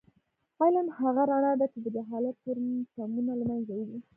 علم هغه رڼا ده چې د جهالت تورتمونه له منځه وړي.